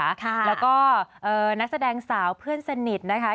แล้วก็นักแสดงสาวเพื่อนสนิทนะคะ